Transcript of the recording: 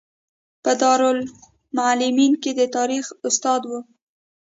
په دارالمعلمین کې د تاریخ استاد و.